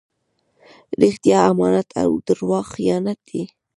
رښتیا امانت او درواغ خیانت دئ.